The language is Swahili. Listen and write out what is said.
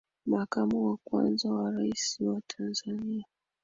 Makamo wa kwanza wa Rais wa Tanzania